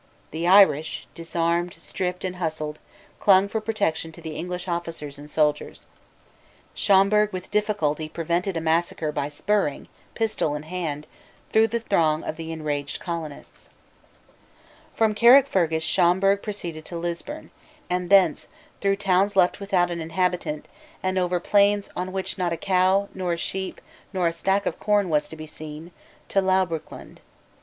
The Irish, disarmed, stripped, and hustled, clung for protection to the English officers and soldiers. Schomberg with difficulty prevented a massacre by spurring, pistol in hand, through the throng of the enraged colonists, From Carrickfergus Schomberg proceeded to Lisburn, and thence, through towns left without an inhabitant, and over plains on which not a cow, nor a sheep, nor a stack of corn was to be seen, to Loughbrickland.